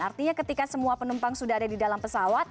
artinya ketika semua penumpang sudah ada di dalam pesawat